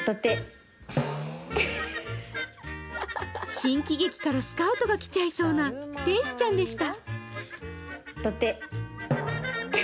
新喜劇からスカウトが来ちゃいそうな天使ちゃんでした。